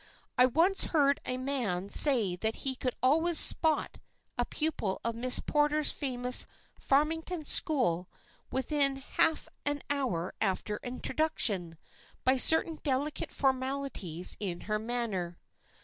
I once heard a man say that he could always "spot" a pupil of Miss Porter's famous Farmington School within half an hour after introduction, by certain delicate formalities in her manner.